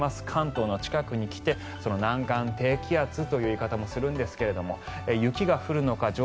関東の近くに来て南岸低気圧という言い方もするんですけど雪が降るのか